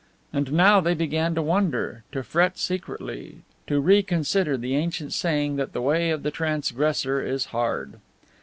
And now they began to wonder, to fret secretly, to reconsider the ancient saying that the way of the transgressor is hard.